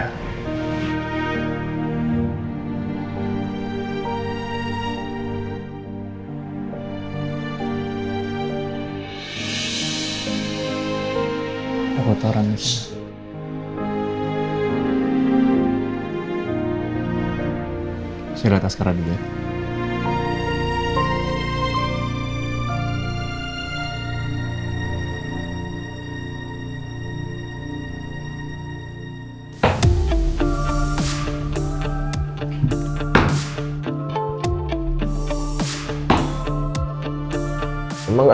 aku tau rangus